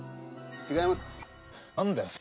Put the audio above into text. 違いますか？